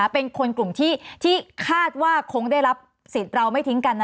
เป็นคนกลุ่มที่คาดว่าคงได้รับสิทธิ์เราไม่ทิ้งกัน